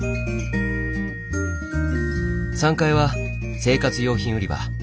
３階は生活用品売り場。